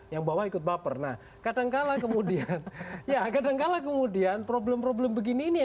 yang bawah ikut baper nah kadangkala kemudian ya kadangkala kemudian problem problem begini ini